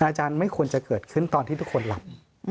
อาจารย์ไม่ควรจะเกิดขึ้นตอนที่ทุกคนหลับ